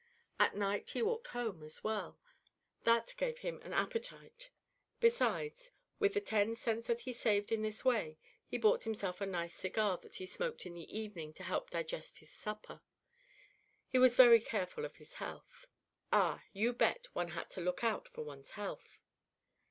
At night he walked home as well; that gave him an appetite; besides, with the ten cents that he saved in this way, he bought himself a nice cigar that he smoked in the evening to help digest his supper. He was very careful of his health. Ah, you bet, one had to look out for one's health.